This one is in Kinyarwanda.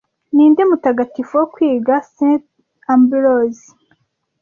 Ninde mutagatifu wo kwiga St Ambrose